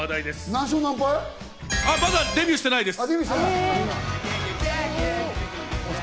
何勝何敗？まだデビューしてないです。